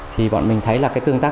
thì bọn mình thấy là cái tương tác